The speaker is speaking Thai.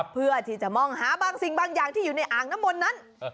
เพื่อที่จะมองหาบางสิ่งบางอย่างที่อยู่ในอ่างน้ำมนต์นั้น